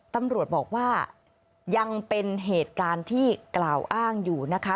ตำรวจบอกว่ายังเป็นเหตุการณ์ที่กล่าวอ้างอยู่นะคะ